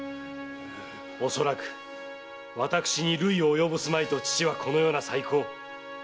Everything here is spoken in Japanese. おそらく私に累を及ぼすまいと父はこのような細工を。